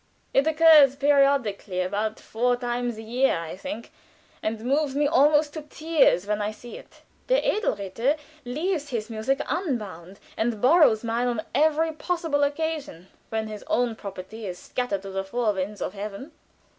It occurs periodically about four times a year, I think, and moves me almost to tears when I see it." "Der edle Ritter leaves his music unbound, and borrows mine on every possible occasion when his own property is scattered to the four winds of heaven."